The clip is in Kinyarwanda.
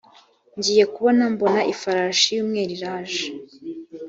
ngiye kubona mbona ifarashi y ‘umweru iraje.